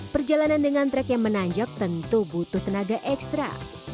perjalanan dengan trek yang menanjak tentu butuh tenaga ekstra